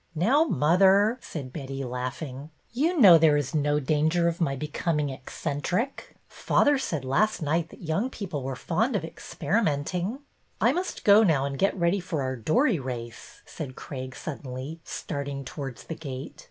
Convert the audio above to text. Now, mother," said Betty, laughing, '' you know there is no danger of my becoming eccen tric. Father said last night that young people were fond of experimenting." " I must go now and get ready for our dory race," said Craig suddenly, starting towards the gate.